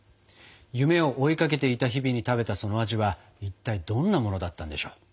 夢を追いかけていた日々に食べたその味はいったいどんなものだったんでしょう。